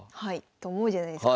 と思うじゃないですか。